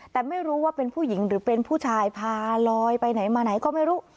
แต่ไม่รู้ว่าเป็นผู้หญิงหรือเป็นผู้ชายพาลอยไปไหนมาไหนก็ไม่รู้